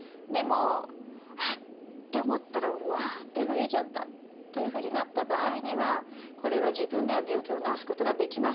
でも「あっ！」て思ったらわって増えちゃったというふうになった場合にはこれは自分では病気を治すことができません。